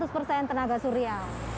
seratus persen tenaga surya